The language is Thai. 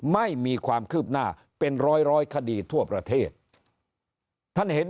ไม่มีความคืบหน้าเป็นร้อยร้อยคดีทั่วประเทศท่านเห็น